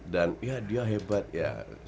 dan ya dia hebat ya